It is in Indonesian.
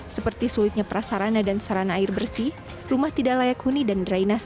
seperti sulitnya prasarana dan sarana air bersih rumah tidak layak huni dan drainase